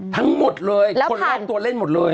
ทั้งหมดเลยคนรอบตัวเล่นหมดเลย